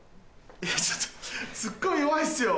いやちょっとツッコミ弱いっすよ！